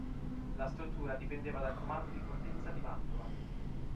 La struttura dipendeva dal comando di fortezza di Mantova.